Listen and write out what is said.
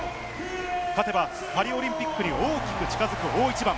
勝てばパリオリンピックに大きく近づく大一番。